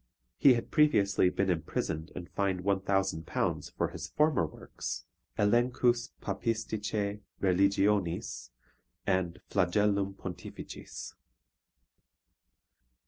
He had previously been imprisoned and fined 1,000 pounds for his former works Elenchus Papisticae Religionis and Flagellum Pontificis.